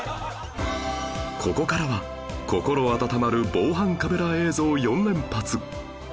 ここからは心温まる防犯カメラ映像４連発